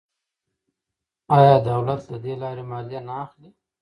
آیا دولت له دې لارې مالیه نه اخلي؟